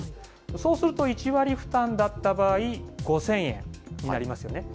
そうすると、１割負担だった場合５０００円になりますよね。